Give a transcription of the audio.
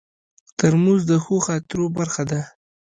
ترموز د ښو خاطرو برخه ده.